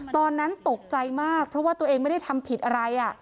ตอนนั้นตกใจมากเพราะว่าตัวเองไม่ได้ทำผิดอะไร